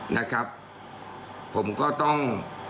นะครับผมก็ต้อง